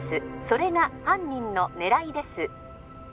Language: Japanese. ☎それが犯人の狙いです